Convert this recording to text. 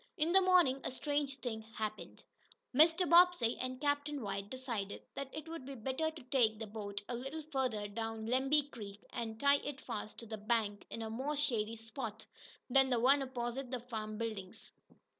In the morning a strange thing happened. Mr. Bobbsey and Captain White decided that it would be better to take the boat a little farther down Lemby Creek, and tie it fast to the bank in a more shady spot than the one opposite the farm buildings.